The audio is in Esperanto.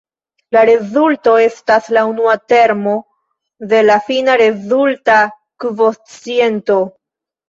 La rezulto estas la unua termo de la fina rezulta kvociento.